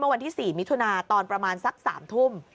วันที่๔มิถุนาตอนประมาณสัก๓ทุ่ม